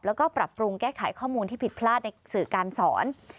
แล้วก็ปรับปรุงแก้ไขข้อมูลที่ผิดพลาดในสื่อการสอน